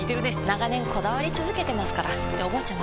長年こだわり続けてますからっておばあちゃん